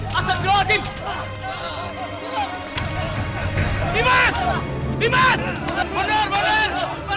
balik balik balik